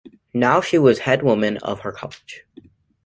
Now she was head woman of her college.